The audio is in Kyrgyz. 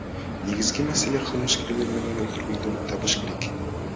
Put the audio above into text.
Негизги маселе кылмышкерлер менен өлтүргөндөрдү табыш керек.